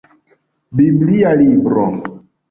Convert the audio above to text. Biblia libro.